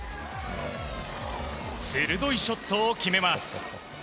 鋭いショットを決めます。